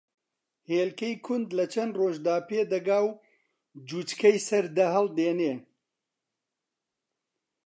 ھێلکەی کوند لە چەن ڕۆژدا پێ دەگا و جوچکەی سەرھەڵدێنێ